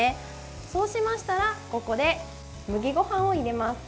そうしましたら、ここで麦ごはんを入れます。